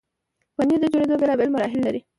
پنېر د جوړېدو بیلابیل مراحل لري.